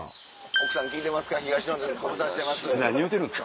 奥さん聞いてますか東野です。